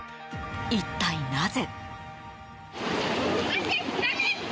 一体なぜ？